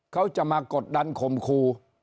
เขาจะมากดดันข่มครู